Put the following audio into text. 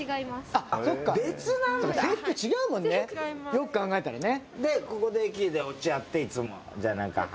よく考えたらね。